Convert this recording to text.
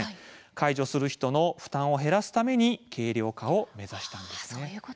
介助する人の負担を減らすために軽量化を目指したんです。